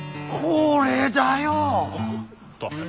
これだよ！